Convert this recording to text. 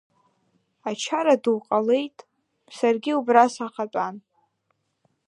Ачара ду ҟалеит, саргьы убра сахатәан.